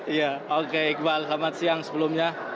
iya oke iqbal selamat siang sebelumnya